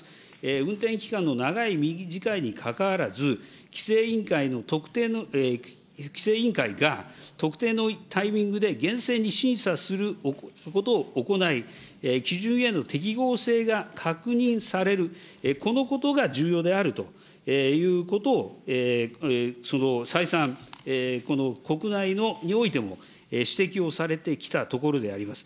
運転期間の長い短いにかかわらず、規制委員会の特定の規制委員会が、特定のタイミングで厳正に審査することを行い、基準への適合性が確認される、このことが重要であるということを、再三、国内においても指摘をされてきたところであります。